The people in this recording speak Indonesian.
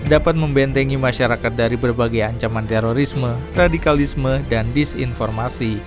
dapat membentengi masyarakat dari berbagai ancaman terorisme radikalisme dan disinformasi